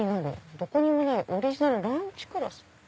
どこにもないオリジナルランチクロス」。